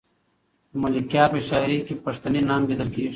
د ملکیار په شاعري کې پښتني ننګ لیدل کېږي.